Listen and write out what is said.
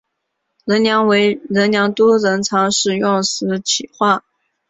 仁良都人常使用石岐话。